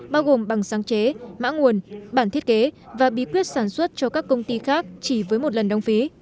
bao gồm bằng sáng chế mã nguồn bản thiết kế và bí quyết sản xuất cho các công ty khác chỉ với một lần đóng phí